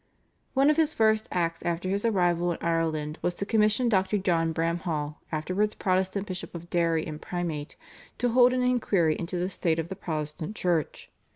One of his first acts after his arrival in Ireland was to commission Dr. John Bramhall, afterwards Protestant Bishop of Derry and Primate, to hold an inquiry into the state of the Protestant Church.